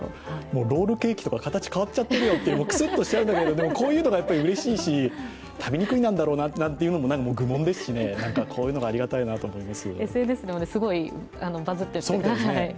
ロールケーキとか形変わっちゃってるよって、クスッとなるけどこういうのがうれしいし、食べにくいなんていうのは愚問ですしこういうのがありがたいなと思います。